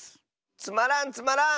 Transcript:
つまらんつまらん！